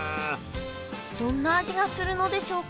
どんな味がするのでしょうか？